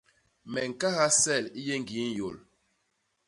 Me ñkahal sel i yé ñgii nyôl.